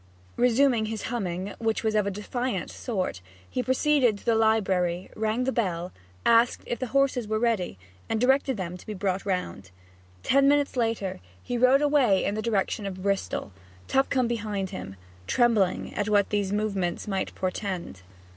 Resuming his humming which was of a defiant sort he proceeded to the library, rang the bell, asked if the horses were ready, and directed them to be brought round. Ten minutes later he rode away in the direction of Bristol, Tupcombe behind him, trembling at what these movements might portend.